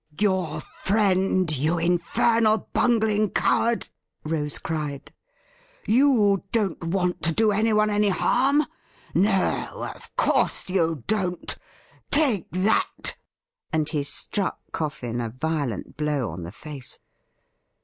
' Your friend, you infernal bungling coward !' Rose cried. ' You don't want to do anyone any harm ? No, of course you don't. Take that !' And he struck Coffin a violent blow on the face.